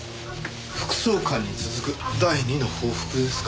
副総監に続く第二の報復ですか？